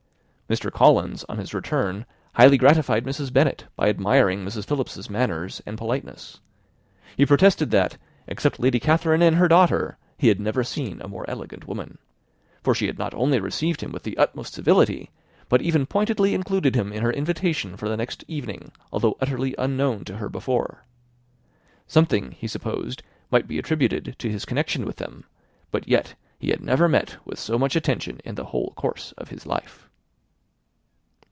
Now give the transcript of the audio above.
Mr. Collins on his return highly gratified Mrs. Bennet by admiring Mrs. Philips's manners and politeness. He protested that, except Lady Catherine and her daughter, he had never seen a more elegant woman; for she had not only received him with the utmost civility, but had even pointedly included him in her invitation for the next evening, although utterly unknown to her before. Something, he supposed, might be attributed to his connection with them, but yet he had never met with so much attention in the whole course of his life.